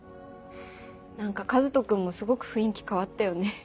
何か和人くんもすごく雰囲気変わったよね。